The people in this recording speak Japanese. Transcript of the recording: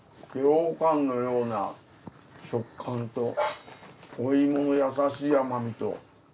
ようかんのような食感とお芋のやさしい甘みと。